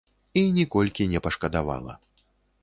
І ніколькі не пашкадавала.